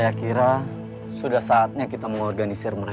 aku tidak pernah memilikinya